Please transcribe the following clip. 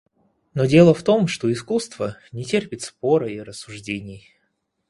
Но дело в том, что искусство не терпит спора и рассуждений.